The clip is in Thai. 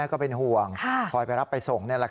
ก็เป็นห่วงคอยไปรับไปส่ง